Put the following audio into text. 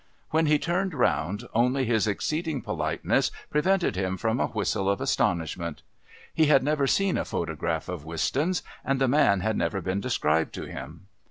When he turned round only his exceeding politeness prevented him from a whistle of astonishment. He had never seen a photograph of Wistons, and the man had never been described to him.